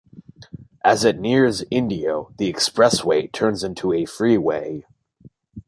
As it nears Indio, the expressway turns into a freeway.